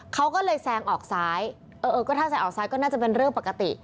เขาก็เลยแซงออกซ้ายเออก็ถ้าแซงออกซ้ายก็น่าจะเป็นเรื่องปกติ